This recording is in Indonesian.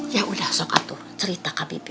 ya udah sok atur cerita kak bibi